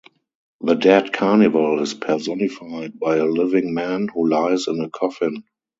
The dead Carnival is personified by a living man who lies in a coffin.